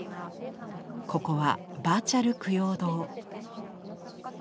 ここは「バーチャル供養堂」。